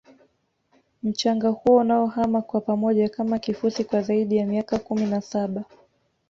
mchanga huo unaohama kwa pamoja Kama kifusi kwa zaidi ya miaka kumi na saba